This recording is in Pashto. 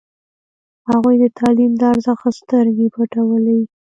هغوی د تعلیم د ارزښت سترګې پټولې.